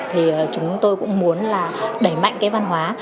thì chúng tôi cũng muốn đẩy mạnh văn hóa